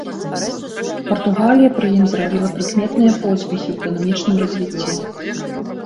Партугалія пры ім зрабіла прыкметныя поспехі ў эканамічным развіцці.